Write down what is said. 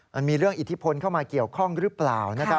มันมีเรื่องอิทธิพลเข้ามาเกี่ยวข้องหรือเปล่า